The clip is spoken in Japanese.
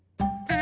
あ。